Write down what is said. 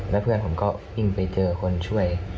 แล้วเพื่อนผมก็วิ่งไปเจอคนช่วย